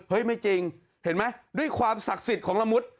ไม่จริงเห็นไหมด้วยความศักดิ์สิทธิ์ของละมุด